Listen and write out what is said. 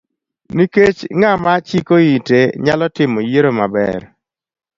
Nikech ng'ama chiko ite nyalo timo yiero maber.